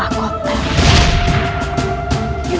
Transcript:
jangan lupa like share dan subscribe